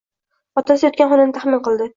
Otasi yotgan xonani taxmin qildi